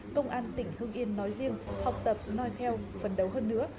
công an tỉnh hưng yên nói riêng học tập nói theo phấn đấu hơn nữa